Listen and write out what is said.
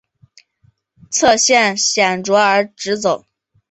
侧线显着而直走。